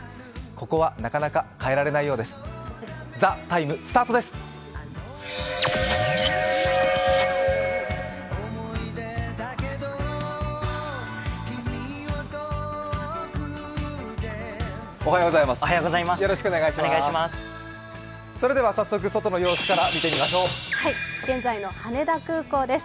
ここはなかなか変えられないようです。